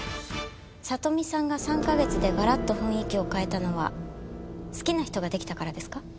里美さんが３カ月でガラッと雰囲気を変えたのは好きな人ができたからですか？